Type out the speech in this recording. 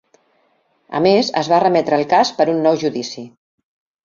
A més, es va remetre el cas per a un nou judici.